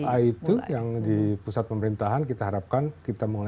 satu a itu yang di pusat pemerintahan kita harapkan kita mulai pindahkan enam puluh ribu